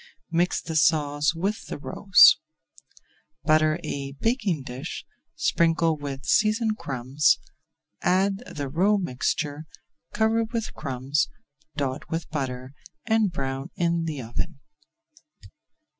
Mix the sauce with the roes. Butter a baking dish, sprinkle with seasoned crumbs, add the roe mixture, cover with crumbs, dot with butter, and brown in the oven.